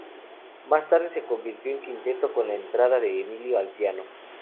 Más tarde se convirtió en quinteto, con la entrada de Emilio al piano.